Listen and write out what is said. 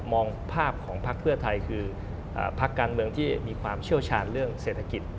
มองภาพของพักเพื่อไทยคือพักการเมืองที่มีความเชี่ยวชาญเรื่องเศรษฐกิจ